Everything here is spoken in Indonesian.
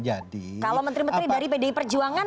jadi kalau menteri menteri dari pdi perjuangan